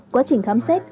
quá trình khám xét